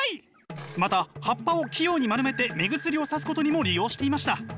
また葉っぱを器用に丸めて目薬をさすことにも利用していました。